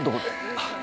あっ。